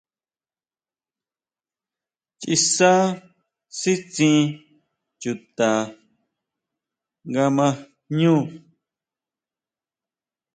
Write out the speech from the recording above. ʼChiʼisá sítsín chuta nga ma jñú.